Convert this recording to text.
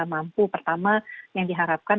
mampu pertama yang diharapkan